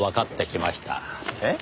えっ？